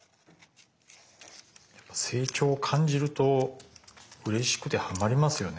やっぱ成長を感じるとうれしくてハマりますよね。